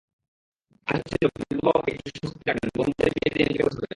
আশা ছিল, বৃদ্ধ বাবা-মাকে একটু স্বস্তিতে রাখবেন, বোনদের বিয়ে দিয়ে নিজেকে গোছাবেন।